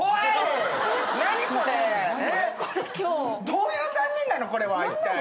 どういう３人なのこれはいったい。